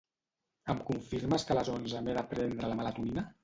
Em confirmes que a les onze m'he de prendre la melatonina?